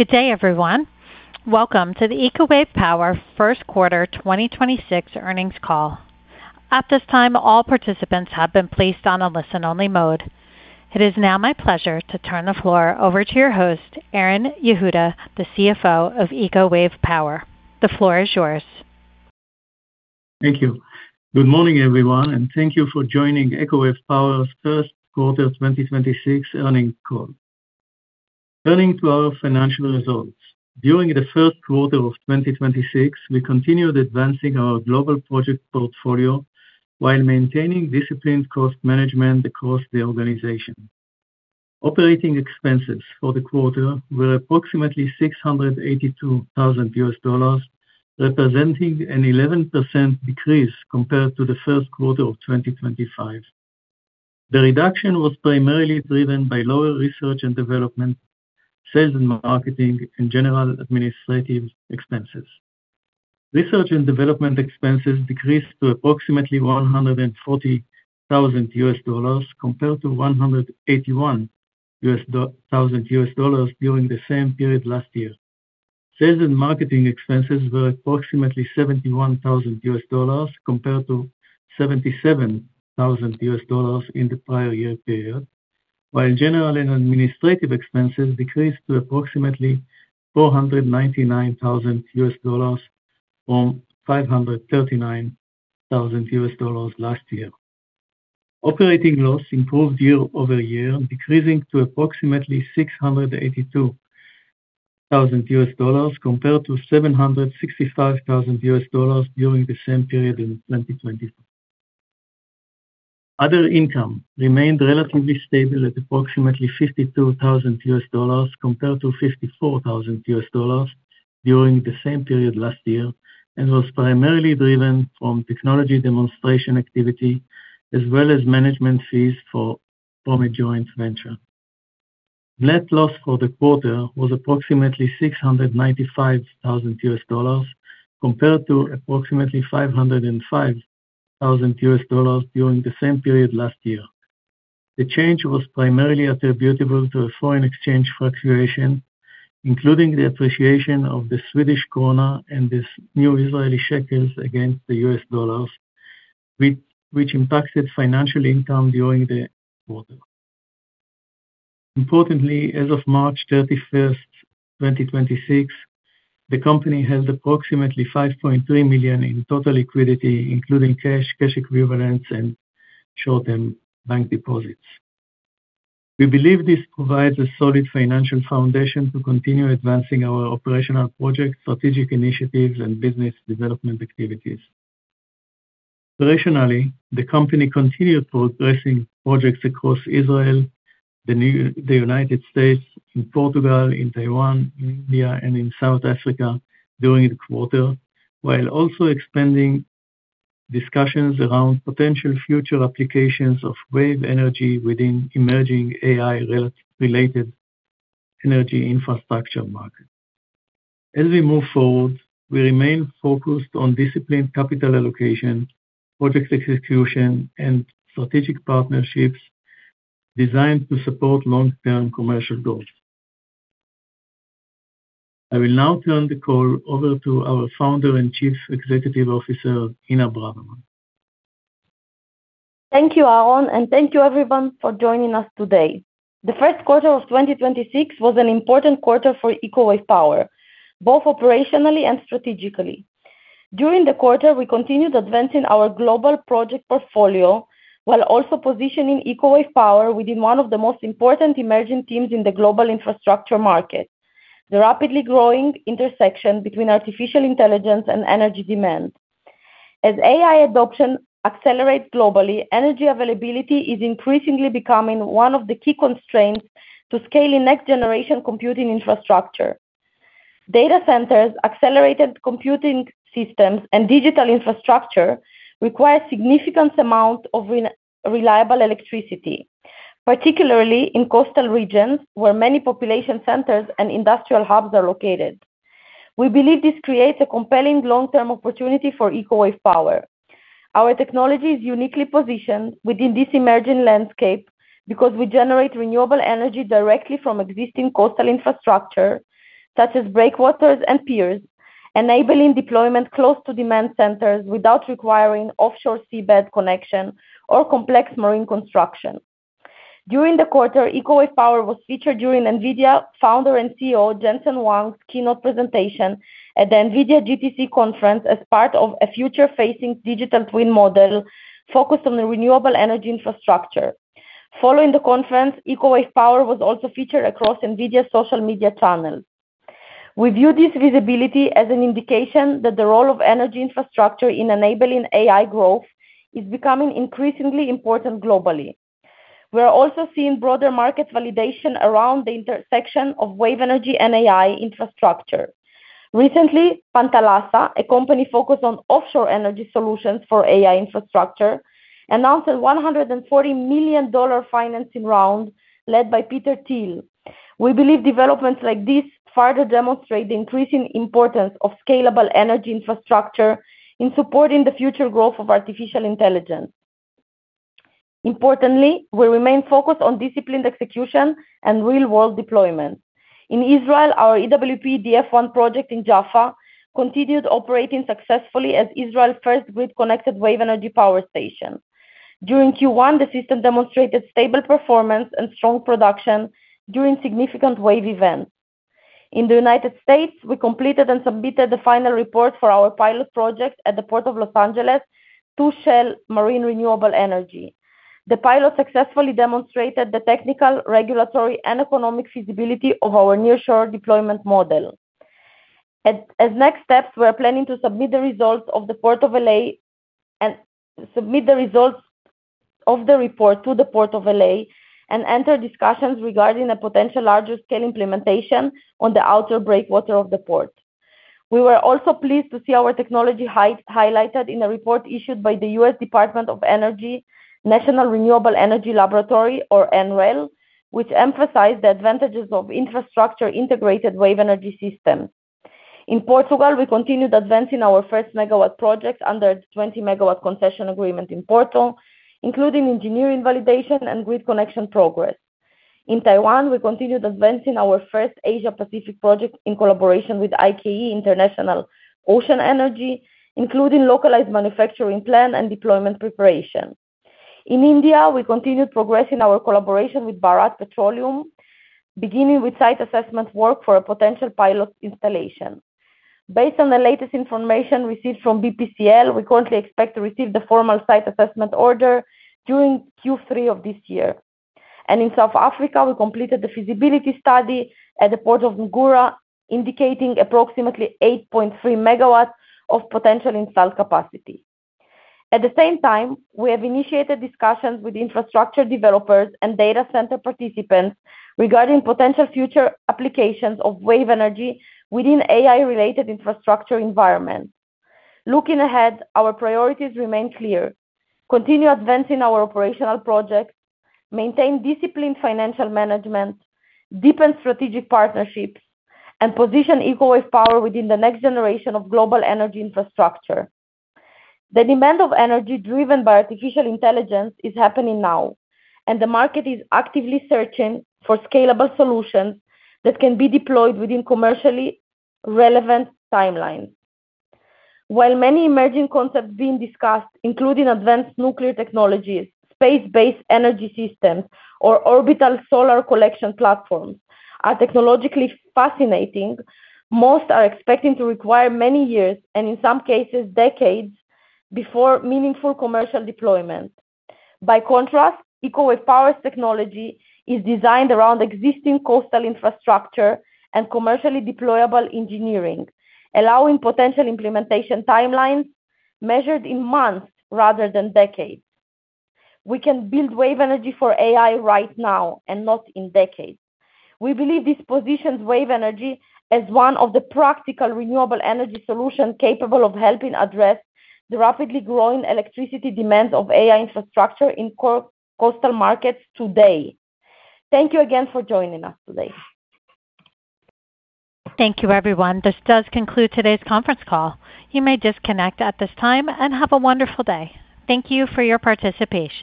Good day, everyone. Welcome to the Eco Wave Power first quarter 2026 earnings call. At this time, all participants have been placed on a listen-only mode. It is now my pleasure to turn the floor over to your host, Aharon Yehuda, the CFO of Eco Wave Power. The floor is yours. Thank you. Good morning, everyone, and thank you for joining Eco Wave Power's first quarter 2026 earnings call. Turning to our financial results. During the first quarter of 2026, we continued advancing our global project portfolio while maintaining disciplined cost management across the organization. Operating expenses for the quarter were approximately $682,000, representing an 11% decrease compared to the first quarter of 2025. The reduction was primarily driven by lower research and development, sales and marketing, and general administrative expenses. Research and development expenses decreased to approximately $140,000 compared to $181,000 during the same period last year. Sales and marketing expenses were approximately $71,000 compared to $77,000 in the prior year period, while general and administrative expenses decreased to approximately $499,000 from $539,000 last year. Operating loss improved year-over-year, decreasing to approximately $682,000 compared to $765,000 during the same period in 2020. Other income remained relatively stable at approximately $52,000 compared to $54,000 during the same period last year, and was primarily driven from technology demonstration activity as well as management fees from a joint venture. Net loss for the quarter was approximately $695,000 compared to approximately $505,000 during the same period last year. The change was primarily attributable to a foreign exchange fluctuation, including the appreciation of the Swedish krona and the new Israeli shekels against the U.S. dollars, which impacted financial income during the quarter. Importantly, as of March 31, 2026, the company has approximately $5.3 million in total liquidity, including cash equivalents, and short-term bank deposits. We believe this provides a solid financial foundation to continue advancing our operational projects, strategic initiatives, and business development activities. Operationally, the company continued progressing projects across Israel, the United States, in Portugal, in Taiwan, in India, and in South Africa during the quarter, while also expanding discussions around potential future applications of wave energy within emerging AI-related energy infrastructure market. As we move forward, we remain focused on disciplined capital allocation, project execution, and strategic partnerships designed to support long-term commercial goals. I will now turn the call over to our Founder and Chief Executive Officer, Inna Braverman. Thank you, Aharon, and thank you everyone for joining us today. The first quarter of 2026 was an important quarter for Eco Wave Power, both operationally and strategically. During the quarter, we continued advancing our global project portfolio while also positioning Eco Wave Power within one of the most important emerging teams in the global infrastructure market, the rapidly growing intersection between artificial intelligence and energy demand. As AI adoption accelerates globally, energy availability is increasingly becoming one of the key constraints to scaling next-generation computing infrastructure. Data centers, accelerated computing systems, and digital infrastructure require significant amount of reliable electricity, particularly in coastal regions where many population centers and industrial hubs are located. We believe this creates a compelling long-term opportunity for Eco Wave Power. Our technology is uniquely positioned within this emerging landscape because we generate renewable energy directly from existing coastal infrastructure, such as breakwaters and piers, enabling deployment close to demand centers without requiring offshore seabed connection or complex marine construction. During the quarter, Eco Wave Power was featured during NVIDIA Founder and CEO Jensen Huang's keynote presentation at the NVIDIA GTC conference as part of a future-facing digital twin model focused on the renewable energy infrastructure. Following the conference, Eco Wave Power was also featured across NVIDIA's social media channels. We view this visibility as an indication that the role of energy infrastructure in enabling AI growth is becoming increasingly important globally. We are also seeing broader market validation around the intersection of wave energy and AI infrastructure. Recently, Panthalassa, a company focused on offshore energy solutions for AI infrastructure, announced a $140 million financing round led by Peter Thiel. We believe developments like this further demonstrate the increasing importance of scalable energy infrastructure in supporting the future growth of artificial intelligence. Importantly, we remain focused on disciplined execution and real-world deployment. In Israel, our EWP-EDF One project in Jaffa continued operating successfully as Israel's first grid-connected wave energy power station. During Q1, the system demonstrated stable performance and strong production during significant wave events. In the United States, we completed and submitted the final report for our pilot project at the Port of Los Angeles to Shell Marine Renewable Energy. The pilot successfully demonstrated the technical, regulatory, and economic feasibility of our nearshore deployment model. As next steps, we are planning to submit the results of the report to the Port of L.A. and enter discussions regarding a potential larger-scale implementation on the outer breakwater of the port. We were also pleased to see our technology highlighted in a report issued by the U.S. Department of Energy, National Renewable Energy Laboratory, or NREL, which emphasized the advantages of infrastructure-integrated wave energy systems. In Portugal, we continued advancing our 1 MW project under a 20 MW concession agreement in Porto, including engineering validation and grid connection progress. In Taiwan, we continued advancing our first Asia Pacific project in collaboration with I-Ke International Ocean Energy, including localized manufacturing plan and deployment preparation. In India, we continued progressing our collaboration with Bharat Petroleum, beginning with site assessment work for a potential pilot installation. Based on the latest information received from BPCL, we currently expect to receive the formal site assessment order during Q3 of this year. In South Africa, we completed the feasibility study at the Port of Ngqura, indicating approximately 8.3 megawatts of potential installed capacity. At the same time, we have initiated discussions with infrastructure developers and data center participants regarding potential future applications of wave energy within AI-related infrastructure environments. Looking ahead, our priorities remain clear. Continue advancing our operational projects, maintain disciplined financial management, deepen strategic partnerships, and position Eco Wave Power within the next generation of global energy infrastructure. The demand of energy driven by artificial intelligence is happening now, and the market is actively searching for scalable solutions that can be deployed within commercially relevant timelines. While many emerging concepts being discussed, including advanced nuclear technologies, space-based energy systems, or orbital solar collection platforms, are technologically fascinating, most are expecting to require many years, and in some cases, decades, before meaningful commercial deployment. By contrast, Eco Wave Power's technology is designed around existing coastal infrastructure and commercially deployable engineering, allowing potential implementation timelines measured in months rather than decades. We can build wave energy for AI right now and not in decades. We believe this positions wave energy as one of the practical renewable energy solutions capable of helping address the rapidly growing electricity demands of AI infrastructure in co-coastal markets today. Thank you again for joining us today. Thank you, everyone. This does conclude today's conference call. You may disconnect at this time, and have a wonderful day. Thank you for your participation.